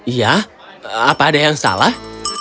iya apa ada yang salah